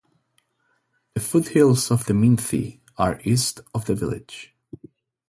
The foothills of the Minthi are east of the village.